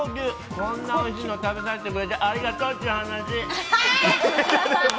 こんなおいしいの食べさせてくれて、ありがとうっちゅう話。